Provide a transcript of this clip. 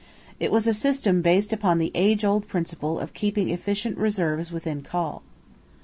It was a system based upon the age old principle of keeping efficient reserves within call.